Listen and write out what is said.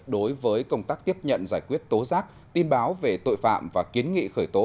đối với công tác tiếp nhận giải quyết tố giác tin báo về tội phạm và kiến nghị khởi tố